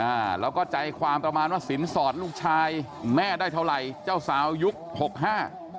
อ่าแล้วก็ใจความประมาณว่าสินสอดลูกชายแม่ได้เท่าไหร่เจ้าสาวยุคหกห้า